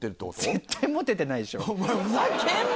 絶対モテてないでしょ。